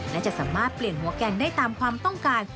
และจะสามารถเปลี่ยนหัวแกนได้ตามความต้องการ